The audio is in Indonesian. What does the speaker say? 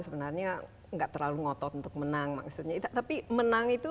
sebenarnya enggak terlalu ngotot untuk menang maksudnya tapi menang itu